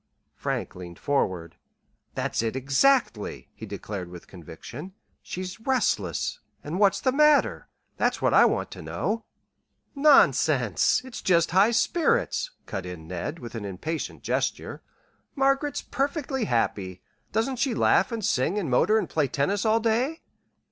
Frank leaned forward. "That's it exactly," he declared with conviction. "She's restless and what's the matter? That's what I want to know." "Nonsense! it's just high spirits," cut in Ned, with an impatient gesture. "Margaret's perfectly happy. Doesn't she laugh and sing and motor and play tennis all day?"